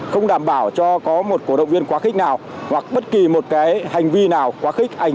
không đảm bảo cho có một cổ động viên quá khích nào hoặc bất kỳ một cái hành vi nào quá khích